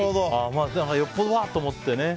よっぽどだと思ってね。